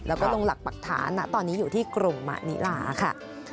มันเป็นภาคปรากฐานนะตอนนี้อยู่ที่กรุงมะนิลาค่ะ